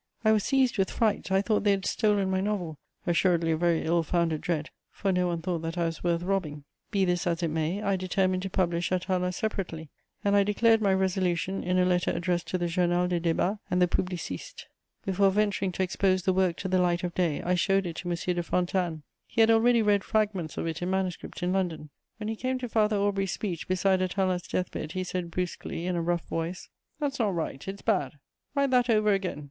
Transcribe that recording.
I was seized with fright: I thought they had stolen my novel, assuredly a very ill founded dread, for no one thought that I was worth robbing. Be this as it may, I determined to publish Atala separately, and I declared my resolution in a letter addressed to the Journal des Débats and the Publiciste. Before venturing to expose the work to the light of day, I showed it to M. de Fontanes: he had already read fragments of it in manuscript in London. When he came to Father Aubry's speech beside Atala's deathbed, he said brusquely, in a rough voice: "That's not right; it's bad: write that over again!"